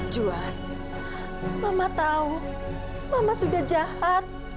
juan mama tahu mama sudah jahat